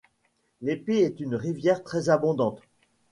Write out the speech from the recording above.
L'Épi est une rivière très abondante.